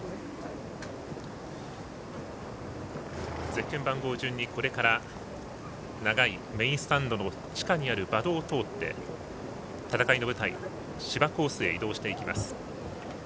ゼッケン番号順に、これから長いメインスタンドの地下にある馬道を通って戦いの舞台芝コースへ移動していきます。